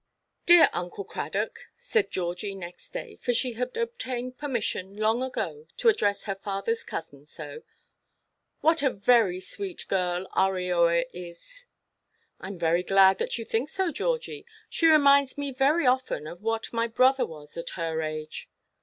"Dear Uncle Cradock," said Georgie next day, for she had obtained permission long ago to address her fatherʼs cousin so, "what a very sweet girl our Eoa is!" "I am very glad that you think so, Georgie; she reminds me very often of what my brother was at her age."